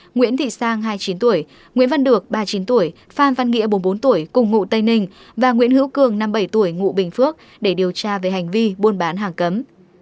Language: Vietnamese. nguyễn thị sang hai mươi chín tuổi nguyễn văn được ba mươi chín tuổi phan văn nghĩa bốn mươi bốn tuổi cùng ngụ tây ninh và nguyễn hữu cường năm mươi bảy tuổi ngụ bình phước để điều tra về hành vi buôn bán hàng cấm